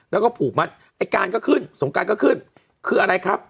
แล้วก็ผูกมัดไอ้การก็ขึ้นสงการก็ขึ้นคืออะไรครับ